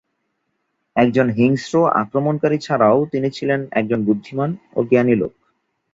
একজন হিংস্র আক্রমণকারী ছাড়াও তিনি ছিলেন একজন বুদ্ধিমান ও জ্ঞানী লোক।